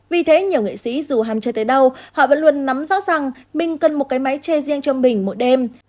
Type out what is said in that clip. vì thế nhiều nghệ sĩ dù ham chơi tới đâu họ vẫn luôn nắm rõ rằng mình cần một cái máy che riêng cho mình một đêm